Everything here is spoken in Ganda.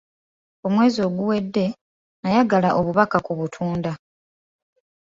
Omwezi oguwedde, nayagala obubaka ku butunda